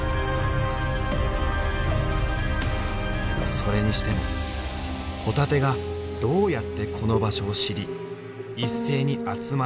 それにしてもホタテがどうやってこの場所を知り一斉に集まれるのか？